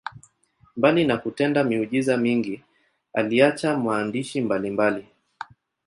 Mbali na kutenda miujiza mingi, aliacha maandishi mbalimbali.